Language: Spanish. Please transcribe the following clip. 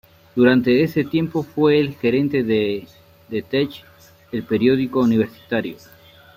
Durante ese tiempo fue el gerente de "The Tech", el periódico universitario.